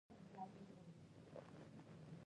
ایرانیان فیروزه خوښوي.